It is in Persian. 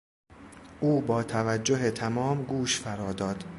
او با توجه تمام گوش فرا داد.